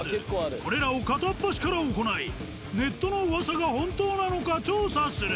これらを片っ端から行いネットの噂が本当なのか調査する。